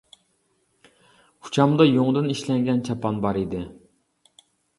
ئۇچامدا يۇڭدىن ئىشلەنگەن چاپان بار ئىدى.